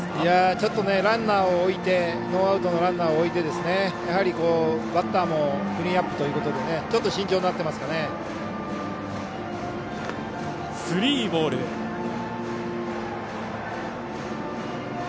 ちょっとノーアウトのランナーを置いてやはり、バッターもクリーンアップということでちょっと慎重になっていますね。